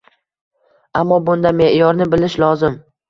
Ammo bunda me’yorni bilish lozim